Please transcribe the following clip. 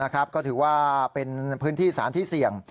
ก็ถือว่าเป็นพื้นที่สารที่เสี่ยง